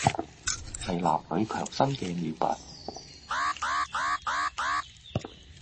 係男女強身嘅妙品